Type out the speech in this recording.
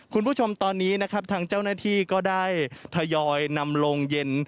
คุณผู้ชมตอนนี้นะครับทางเจ้าหน้าที่ก็ได้ทยอยนำโรงเย็น